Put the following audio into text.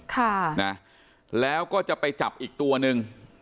ค่ะนะแล้วก็จะไปจับอีกตัวหนึ่ง